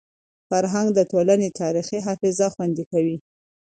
فرهنګ د ټولني تاریخي حافظه خوندي کوي.